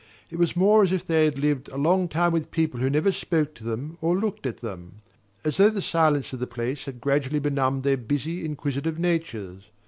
It was more as if they had lived a long time with people who never spoke to them or looked at them: as though the silence of the place had gradually benumbed their busy inquisitive natures.